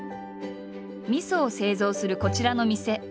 みそを製造するこちらの店。